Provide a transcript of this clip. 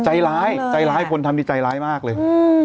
ใจร้ายใจร้ายคนทำดีใจร้ายมากเลย